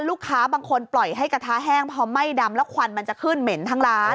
ลูกค้าบางคนปล่อยให้กระทะแห้งพอไหม้ดำแล้วควันมันจะขึ้นเหม็นทั้งร้าน